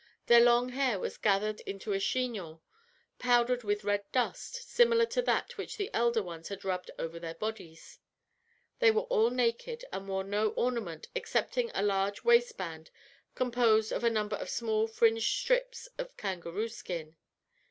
Their long hair was gathered into a chignon, powdered with red dust, similar to that which the elder ones had rubbed over their bodies. "They were all naked, and wore no ornament, excepting a large waistband, composed of a number of small fringed strips of kangaroo skin.